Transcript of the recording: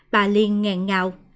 bà liên ngẹn ngào